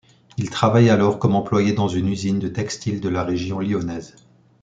Il travaille alors comme employé dans une usine de textile de la région lyonnaise.